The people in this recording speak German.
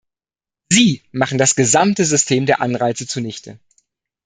Sie machen das gesamte System der Anreize zunichte.